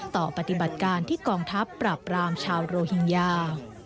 ปฏิบัติการที่กองทัพปราบรามชาวโรฮิงญา